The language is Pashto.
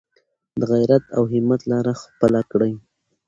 د غیرت او همت لاره خپله کړئ.